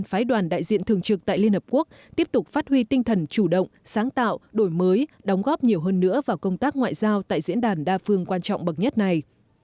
phái đoàn đại diện thường trực tại liên hợp quốc tiếp tục phát huy tinh thần chủ động sáng tạo đổi mới đóng góp nhiều hơn nữa vào công tác ngoại giao tại diễn đàn đa phương quan trọng bậc nhất này